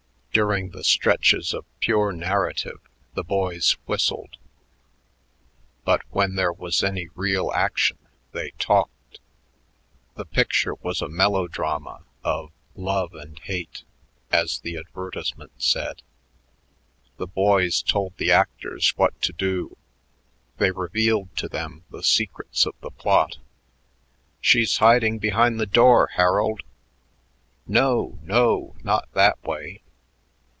During the stretches of pure narrative, the boys whistled, but when there was any real action they talked. The picture was a melodrama of "love and hate," as the advertisement said. The boys told the actors what to do; they revealed to them the secrets of the plot. "She's hiding behind the door, Harold. No, no! Not that way.